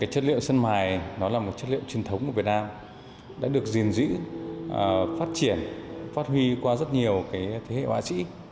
chất liệu sơn mài là một chất liệu truyền thống của việt nam đã được diền dĩ phát triển phát huy qua rất nhiều thế hệ họa sĩ